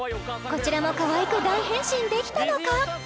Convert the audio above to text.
こちらもかわいく大変身できたのか？